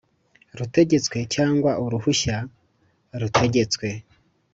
rutegetswe cyangwa uruhushya rutegetswe